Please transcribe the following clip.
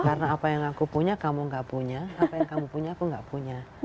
karena apa yang aku punya kamu gak punya apa yang kamu punya aku gak punya